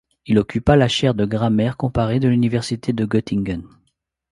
Il occupa la chaire de grammaire comparée de l'université de Göttingen.